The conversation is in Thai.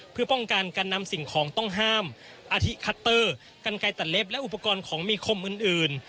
เพื่อป้องกันการนำสิ่งของต้องห้ามอาทิคัตเตอร์กันไกลตัดเล็บและอุปกรณ์ของมีคมอื่น